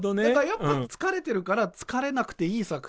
やっぱ疲れてるから疲れなくていい作品として見やすいし。